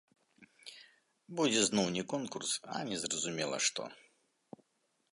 Будзе зноў не конкурс, а незразумела што!